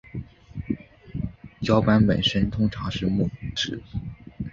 晃板本身通常是木制。